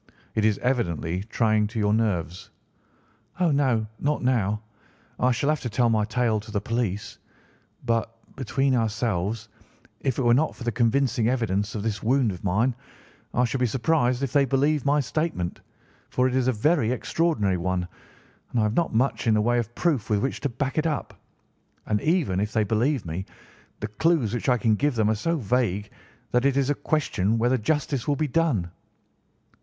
It is evidently trying to your nerves." "Oh, no, not now. I shall have to tell my tale to the police; but, between ourselves, if it were not for the convincing evidence of this wound of mine, I should be surprised if they believed my statement, for it is a very extraordinary one, and I have not much in the way of proof with which to back it up; and, even if they believe me, the clues which I can give them are so vague that it is a question whether justice will be done."